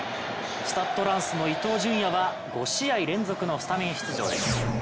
スタッド・ランスの伊東純也は５試合連続のスタメン出場です。